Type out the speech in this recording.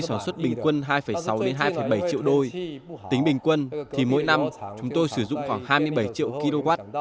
sản xuất bình quân hai sáu hai bảy triệu đôi tính bình quân thì mỗi năm chúng tôi sử dụng khoảng hai mươi bảy triệu kw